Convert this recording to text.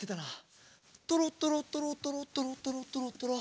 とろとろとろとろとろとろとろとろ。